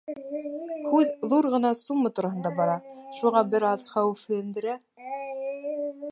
Һүҙ ҙур ғына сумма тураһында бара, шуға бер аҙ хәүефләндерә.